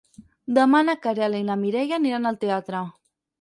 Demà na Queralt i na Mireia aniran al teatre.